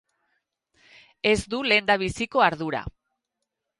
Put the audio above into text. Ez du lehendabiziko ardura.